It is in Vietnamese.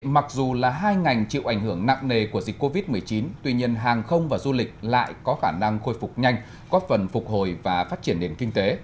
mặc dù là hai ngành chịu ảnh hưởng nặng nề của dịch covid một mươi chín tuy nhiên hàng không và du lịch lại có khả năng khôi phục nhanh có phần phục hồi và phát triển nền kinh tế